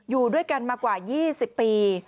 อยู่ด้วยกันมากว่า๒๐ปี